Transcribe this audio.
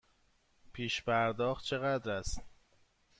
پیش پرداخت چقدر است؟